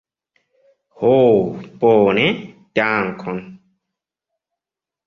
Ho, bone, dankon.